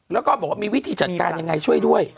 แล้วก็บอกว่ามีวิธีจัดการยังไงช่วยด้วย